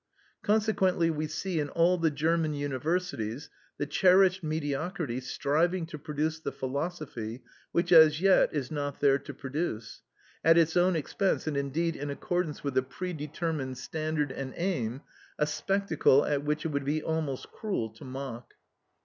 Consequently we see in all the German universities the cherished mediocrity striving to produce the philosophy which as yet is not there to produce, at its own expense and indeed in accordance with a predetermined standard and aim, a spectacle at which it would be almost cruel to mock.